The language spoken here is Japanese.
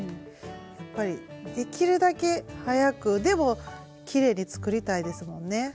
やっぱりできるだけ早くでもきれいに作りたいですもんね。